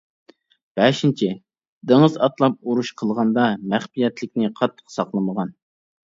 بەشىنچى، دېڭىز ئاتلاپ ئۇرۇش قىلغاندا، مەخپىيەتلىكنى قاتتىق ساقلىمىغان.